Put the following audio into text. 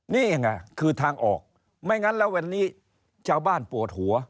นี่ยังไงคือทางออกไม่งั้นแล้ววันนี้ชาวบ้านปวดหัว